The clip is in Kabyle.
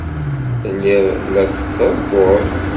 Telliḍ la d-trebbuḍ.